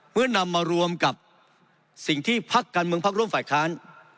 เมื่อนำมารวมกับสิ่งที่พักการเมืองพักร่วมฝ่ายค้าน